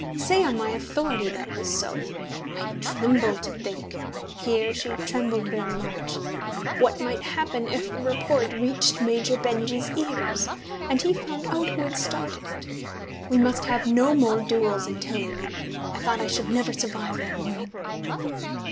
Say on my authority that it is so. I tremble to think" here she trembled very much "what might happen if the report reached Major Benjy's ears, and he found out who had started it. We must have no more duels in Tilling. I thought I should never survive that morning."